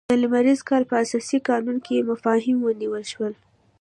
د لمریز کال په اساسي قانون کې مفاهیم ونیول شول.